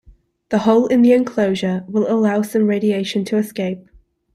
The hole in the enclosure will allow some radiation to escape.